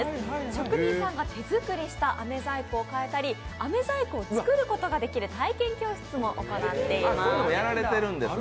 職人さんが手作りした飴細工を買えたり飴細工を作ることができる体験教室も行っています。